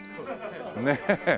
ねえ。